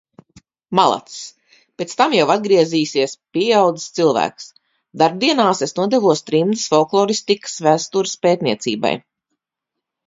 Malacis! Pēc tam jau atgriezīsies pieaudzis cilvēks. Darbdienās es nodevos trimdas folkloristikas vēstures pētniecībai.